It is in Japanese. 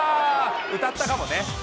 歌ったかもね。